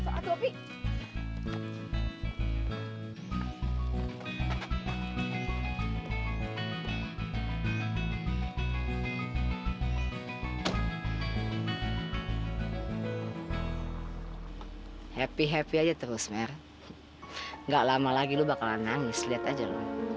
hai happy happy aja terus mer nggak lama lagi lu bakalan nangis lihat aja lu